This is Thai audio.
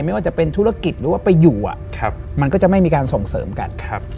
ไม่ว่าจะเป็นธุรกิจหรือว่าไปอยู่มันก็จะไม่มีการส่งเสริมกัน